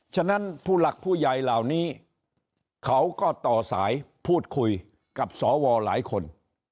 ฉะนั้นผู้หลักผู้ใหญ่เหล่านี้เขาก็ต่อสายพูดคุยกับสวหลายคน